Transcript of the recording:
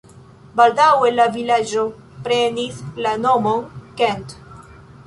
Baldaŭe la vilaĝo prenis la nomon Kent.